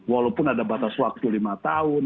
walaupun ada batas waktu lima tahun